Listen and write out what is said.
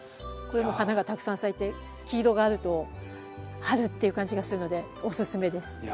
これも花がたくさん咲いて黄色があると春っていう感じがするのでおすすめです。